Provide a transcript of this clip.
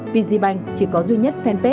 pzbank chỉ có duy nhất fanpage